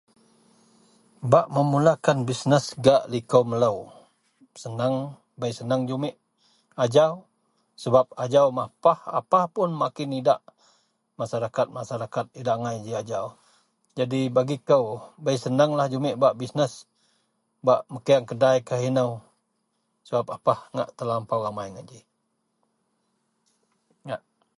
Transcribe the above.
Bak memulakan bisnes gak likou melo neng bei senang jumek sebab ajau apah pun makin idak jegam masyarakat masyarakat idak angai ji jadi bagi kou bei senanglah jumek bak bisnes meking kedai kah inou sebab apah ngak terlampau idak.